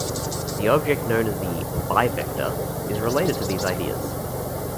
The object known as the "bivector" is related to these ideas.